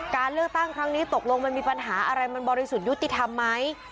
การเลือกตั้งครั้งนี้ตกลงมันมีปัญหาอะไรมันบริสุทธิ์ยุติธรรมไหม